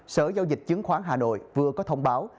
sở giao dịch chứng khoán hà nội vừa có thông báo